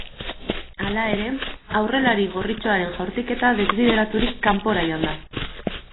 Hala ere, aurrelari gorritxoaren jaurtiketa desbideraturik kanpora joan da.